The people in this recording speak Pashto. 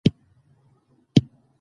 مین دی زه یم دیدن دی بل کوی